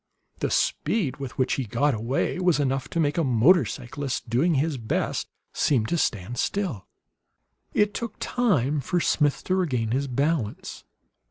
The speed with which he "got away" was enough to make a motorcyclist, doing his best, seem to stand still. It took time for Smith to regain his balance.